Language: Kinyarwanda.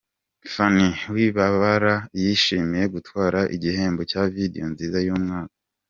Phanny Wibabara yishimiye gutwara igihembo cya Video nziza y'umwaka.